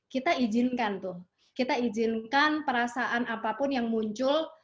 kita ijinkan perasaan apapun yang muncul